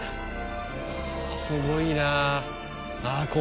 すごいなああ